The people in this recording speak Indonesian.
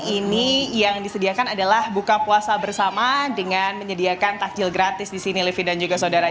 ini yang disediakan adalah buka puasa bersama dengan menyediakan takjil gratis di sini livi dan juga saudara